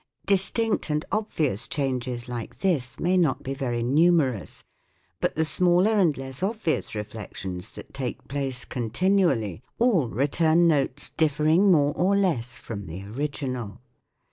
Distinct and obvious changes like this may not be very numerous ; but the smaller and less obvious reflections that take place continually all return notes differing more or less from the original.